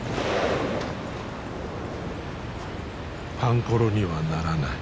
パンコロにはならない。